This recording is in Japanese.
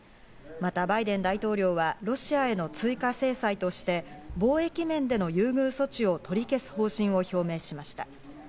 またバイデン大統領は、ロシアへの追加制裁として貿易面での優遇措置を取り消す方針を表明しました。